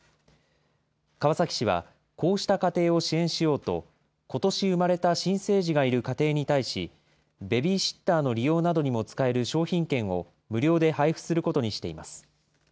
川崎市は、こうした家庭を支援しようと、ことし産まれた新生児がいる家庭に対し、ベビーシッターの利用などにも使える商品券を無料で配布することにしています。